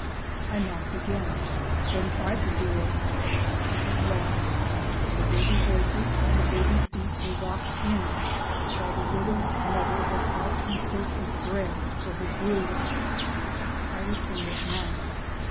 I knocked again, then tried the door; it was locked. The baby voices and the baby feet were locked in while the widowed mother was out in search of bread for her brood. I returned at night.